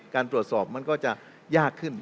การตรวจสอบมันก็จะยากขึ้น